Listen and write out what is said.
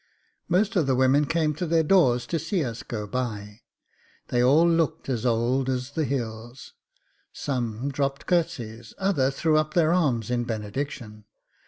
Most of the women came to their doors to see us go by. They all looked as old as the hills some dropt curtseys, others threw up their arms in benediction.